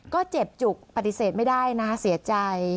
ก็เจ็บจุกปฏิเสธไม่ได้นะเสียใจ